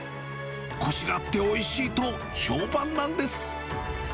こしがあっておいしいと、評判なんです。